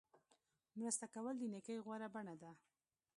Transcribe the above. مرسته کول د نیکۍ غوره بڼه ده.